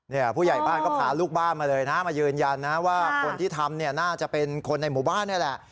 ผู้ใหญ่บ้านก็พาลูกบ้านมาเลยนะมายืนยันนะว่าคนที่ทำเนี่ยน่าจะเป็นคนในหมู่บ้านนี่แหละ